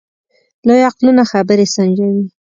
لوی عقلونه خبرې سنجوي.